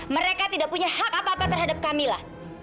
mereka tidak punya hak apa apa terhadap kamila